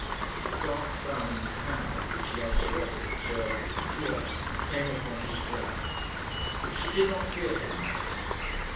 The dark frowning cloud, which she had so often observed with fear, came upon his brow; but she did not fear him now.